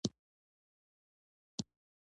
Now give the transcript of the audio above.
د زړه خرابوالی د بدن نور غړي هم اغېزمنوي.